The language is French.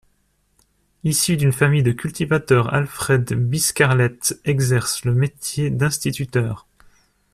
Issu d'une famille de cultivateurs, Alfred Biscarlet exerce le métier d'instituteur.